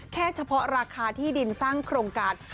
เฉพาะราคาที่ดินสร้างโครงการ